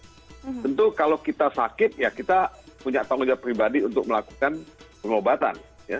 tentu kalau kita sakit ya kita punya tanggung jawab pribadi untuk melakukan pengobatan